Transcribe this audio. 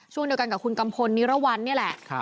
ช่วงเดียวกันกับคุณกัมพลนิรวรรณนี่แหละ